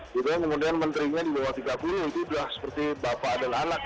kemudian menterinya di bawah tiga puluh itu sudah seperti bapak dan anak